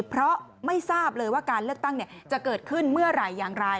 เพราะไม่ทราบเลยว่าการเลือกตั้งจะเกิดขึ้นเมื่อไหร่อย่างไร